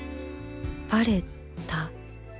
バレた？